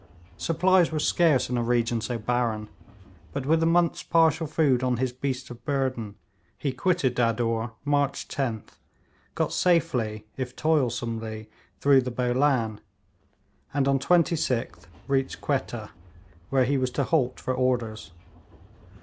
Supplies were scarce in a region so barren, but with a month's partial food on his beasts of burden he quitted Dadur March 10th, got safely, if toilsomely, through the Bolan, and on 26th reached Quetta, where he was to halt for orders.